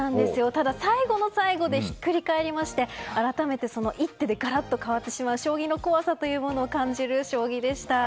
ただ最後の最後でひっくり返りまして改めて一手でガラッと変わってしまう将棋の怖さを感じる将棋でした。